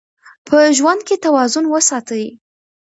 په ژوند کې توازن وساتئ.